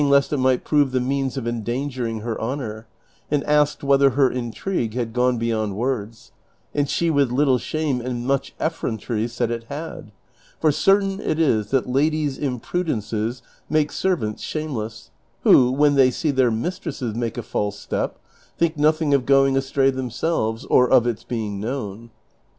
lest it might prove the means of endangering her honor, and asked whether her intrigue had gone beyond Avords, and she with little shame and much effrontery said it had ; for certain it is that ladies' imprudences make servants shameless, who, when they see their mis tresses make a false step, think nothing of going astray themselves, or of its being known.